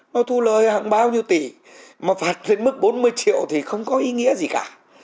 nó thu lời hàng bao nhiêu tỷ mà phạt lên mức bốn mươi triệu thì không có ý nghĩa gì cả